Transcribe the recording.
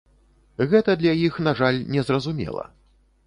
Гэта для іх, на жаль, не зразумела.